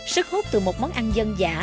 sức hút từ một món ăn dân giả